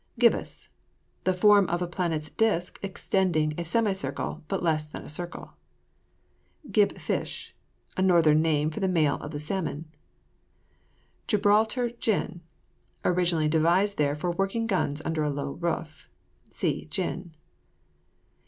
GIBBOUS. The form of a planet's disc exceeding a semicircle, but less than a circle. GIB FISH. A northern name for the male of the salmon. GIBRALTAR GYN. Originally devised there for working guns under a low roof. (See GYN.)